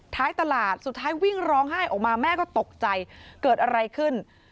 ท้ายตลาดสุดท้ายวิ่งร้องไห้ออกมาแม่ก็ตกใจเกิดอะไรขึ้น